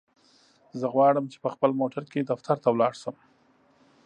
زه غواړم چی په خپل موټرکی دفترته لاړشم.